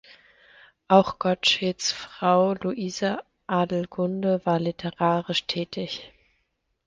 Auch Gottscheds Frau Luise Adelgunde war literarisch tätig.